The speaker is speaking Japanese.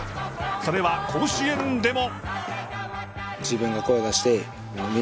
それは甲子園でも。